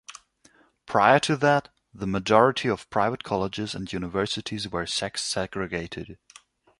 Prior to that, the majority of private colleges and universities were sex-segregated.